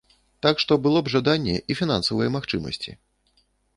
Так што, было б жаданне і фінансавыя магчымасці.